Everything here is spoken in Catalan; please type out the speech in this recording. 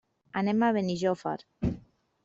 Anem a Benijòfar.